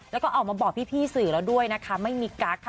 แล้วก็ออกมาบอกพี่สื่อแล้วด้วยนะคะไม่มีกั๊กค่ะ